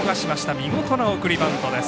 見事な送りバントです。